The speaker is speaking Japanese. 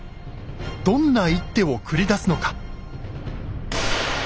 どんな一手を繰り出すのか。